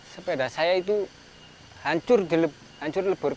sepeda saya itu hancur lebur